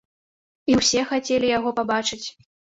І ўсе хацелі яго пабачыць.